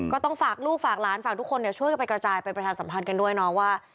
ก็ต้องฝากลูกฝากหลานฝากทุกคนช่วยกันไปกระจายไปประชาสัมพันธ์กันด้วยเนาะว่า